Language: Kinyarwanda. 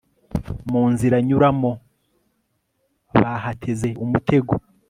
mu nzira nyuramo, bahateze umutego